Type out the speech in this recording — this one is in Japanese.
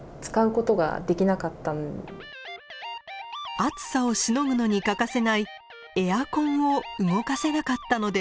暑さをしのぐのに欠かせないエアコンを動かせなかったのです。